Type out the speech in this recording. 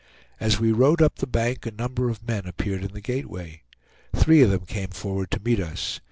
As we rode up the bank, a number of men appeared in the gateway. Three of them came forward to meet us.